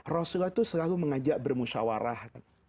rasulullah itu selalu mengajak bermusyawarah